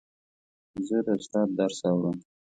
زه د استاد درس اورم.